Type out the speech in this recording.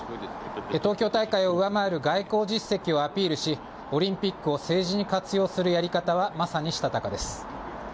東京大会を上回る外交実績をアピールし、オリンピックを政治に活用するやり方は、まさにしたたかです。